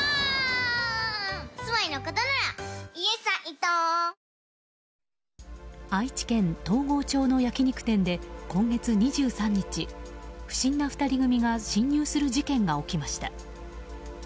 東京海上日動愛知県東郷町の焼き肉店で今月２３日、不審な２人組が侵入する事件が起きました。